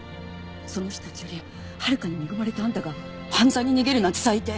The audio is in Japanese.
その人たちよりはるかに恵まれたあんたが犯罪に逃げるなんて最低。